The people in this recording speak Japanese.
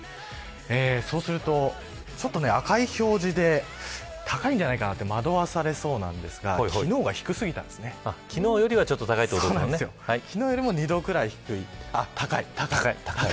そうするとちょっと赤い表示で高いんじゃないかなと惑わされそうなんですが昨日よりは昨日よりも２度ぐらい高い。